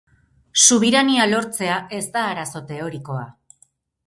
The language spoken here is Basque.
Subirania lortzea ez da arazo teorikoa.